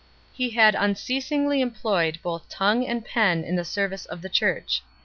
He had unceasingly employed both tongue and pen in the service of the Church.